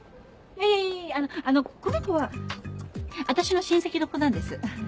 いえいえあのあのこの子は私の親戚の子なんです。